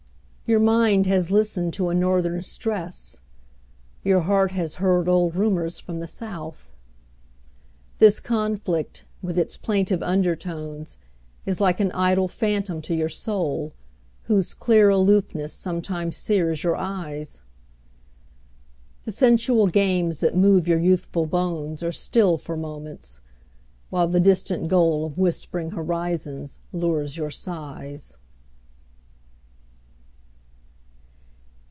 Your mind has listened to a northern stress: Your heart has heard old rumours from the South. This conflict, with its plaintive undertones, Is like an idle phantom to your soul Whose clear aloofness sometimes sears your eyes. The sensual games that move your youthful bones Are still for moments, while the distant goal Of whispering horizons lures your sighs.